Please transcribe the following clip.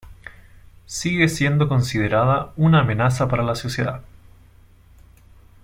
Sigue siendo considerada "una amenaza para la sociedad".